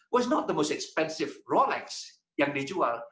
bukan rolex yang paling mahal yang dijual